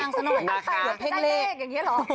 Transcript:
ตั้งในเวลาได้เลขอย่างนี้เหรอ